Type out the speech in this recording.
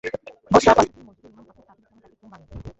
ভোর সোয়া পাঁচটার দিকে মসজিদের ইমাম হাফেজ তাজুল ইসলামের ডাকে ঘুম ভাঙে।